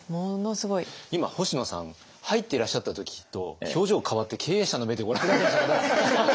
今星野さん入っていらっしゃった時と表情変わって経営者の目でご覧になっていて。